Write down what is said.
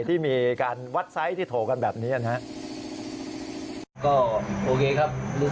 ที่มีการวัดไซส์ที่โทรกันแบบนี้นะครับ